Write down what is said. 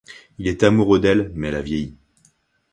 Il était amoureux d'elle, mais elle a vieilli.